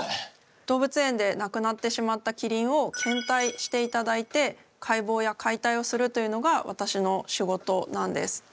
動物園で亡くなってしまったキリンを献体していただいて解剖や解体をするというのが私の仕事なんです。